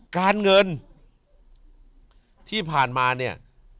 การเงินที่ผ่านมาเนี่ย